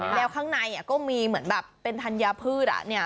แล้วข้างในก็มีเหมือนแบบเป็นธัญพืช